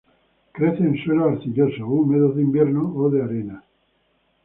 Crece en suelos arcillosos húmedos de invierno o de arena.